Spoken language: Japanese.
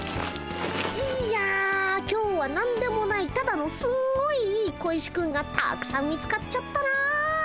いや今日はなんでもないただのすっごいいい小石くんがたくさん見つかっちゃったな。